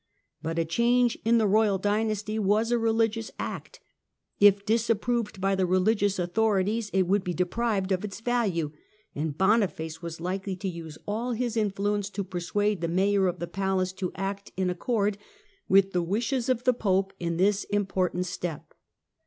But a change in the royal dynasty was a religious act ; if disapproved by the religious authorities it would be deprived of its value ; and Boniface was likely to use all his influence to persuade the Mayor of the Palace to act in accord with the wishes )f the Pope in this important step.